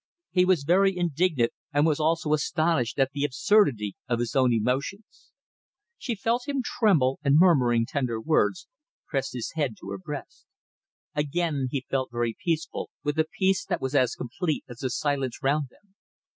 He was very indignant, and was also astonished at the absurdity of his own emotions. She felt him tremble, and murmuring tender words, pressed his head to her breast. Again he felt very peaceful with a peace that was as complete as the silence round them.